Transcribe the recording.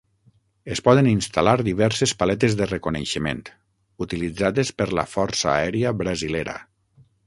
Es poden instal·lar diverses paletes de reconeixement; utilitzades per la força aèria brasilera.